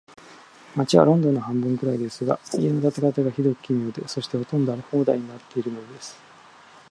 街はロンドンの半分くらいですが、家の建て方が、ひどく奇妙で、そして、ほとんど荒れ放題になっているのです。